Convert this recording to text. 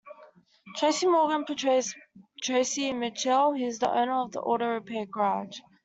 Tracy Morgan portrays "Tracy Mitchell", who is the owner of an auto repair garage.